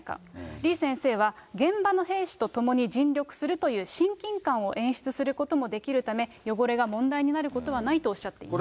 李先生は、現場の兵士と共に尽力するという親近感を演出することもできるため、汚れが問題になることはないとおっしゃっています。